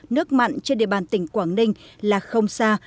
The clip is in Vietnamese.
nước mặn trên địa bàn tỉnh quảng ninh là không xa